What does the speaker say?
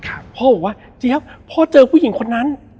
พ่อบอกว่าเจี๊ยบพ่อเจอผู้หญิงคนนั้น